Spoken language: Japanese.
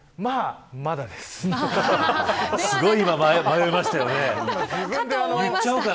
すごい今、迷いましたよね。